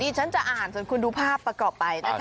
ฉันจะอ่านส่วนคุณดูภาพประกอบไปนะคะ